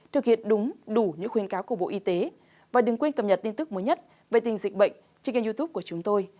thực hiện đúng đủ những khuyên cáo của bộ y tế và đừng quên cập nhật tin tức mới nhất về tình dịch bệnh trên youtube của chúng tôi